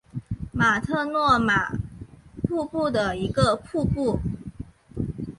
马特诺玛瀑布的一个瀑布。